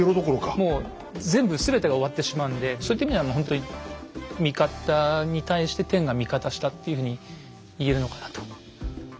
もう全部全てが終わってしまうんでそういった意味ではほんとにっていうふうに言えるのかなと。